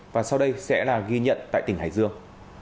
và sau đây sẽ là ghi nhận tại tỉnh hải dương